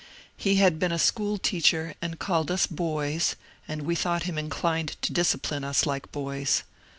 He had been a school teacher, and called us ^^ boys," and we thought him inclined to discipline us like boys.